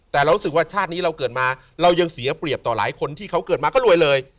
แต่เรารู้สึกว่าชาตินี้เราเกิดมาเรายังเสียเปรียบต่อหลายคนที่เขาเกิดมาก็รวยเลย